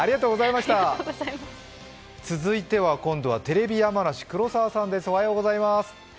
続いては今度はテレビ山梨、黒澤さんです。